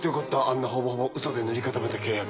あんなほぼほぼ嘘で塗り固めた契約。